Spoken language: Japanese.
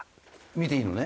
見ていいのね？